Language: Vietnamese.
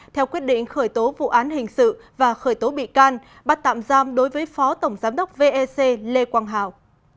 theo quyết định khởi tố vụ án hình sự và khởi tố bị can bắt tạm giam đối với phó tổng giám đốc vec lê quang hảo